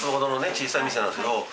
小さい店なんですけど。